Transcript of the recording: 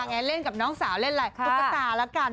แล้วกับน้องสาวเล่นกับตุ๊กกระตาระกัน